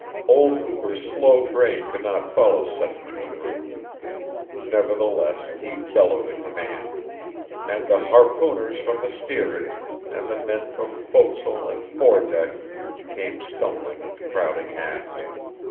Old Hooper's slow brain could not follow such maneuvering; nevertheless, he bellowed a command. And the harpooners from the steerage, and the men from forecastle and fore deck came stumbling and crowding aft.